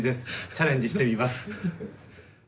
チャレンジしてみます。